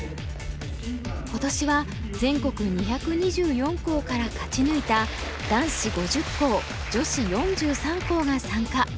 今年は全国２２４校から勝ち抜いた男子５０校女子４３校が参加。